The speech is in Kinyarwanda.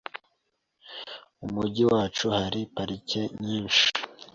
Mu mujyi wacu hari parike nyinshi .